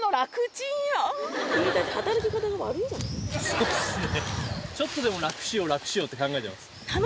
そうですね。